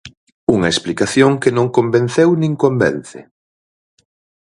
Unha explicación que non convenceu nin convence.